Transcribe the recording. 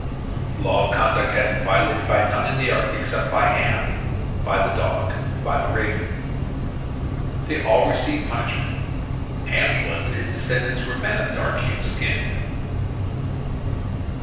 This law of conduct had been violated by none in the ark except by Ham, by the dog, and by the raven. They all received a punishment. Ham's was that his descendants were men of dark hued skin.